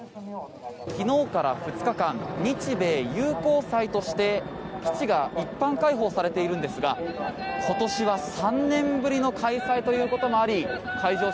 昨日から２日間日米友好祭として基地が一般開放されているんですが今年は３年ぶりの開催ということもあり会場